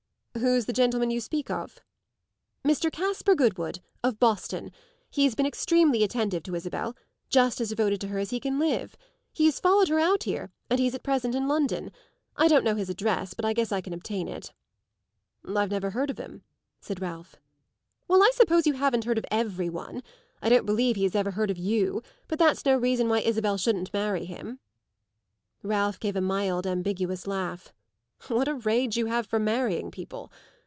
"Who's the gentleman you speak of?" "Mr. Caspar Goodwood of Boston. He has been extremely attentive to Isabel just as devoted to her as he can live. He has followed her out here and he's at present in London. I don't know his address, but I guess I can obtain it." "I've never heard of him," said Ralph. "Well, I suppose you haven't heard of every one. I don't believe he has ever heard of you; but that's no reason why Isabel shouldn't marry him." Ralph gave a mild ambiguous laugh. "What a rage you have for marrying people!